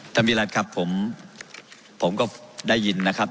วิรัติครับผมก็ได้ยินนะครับ